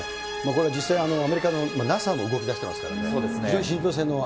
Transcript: これは実際、アメリカのＮＡＳＡも動きだしてますからね。